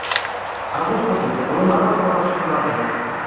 El gos petit de color marró corre sobre la neu.